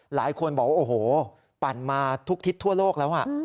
หลายคนบอกว่าโอ้โหปั่นมาทุกทิศทั่วโลกแล้ว